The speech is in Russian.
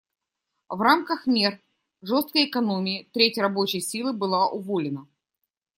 В рамках мер жесткой экономии треть рабочей силы была уволена.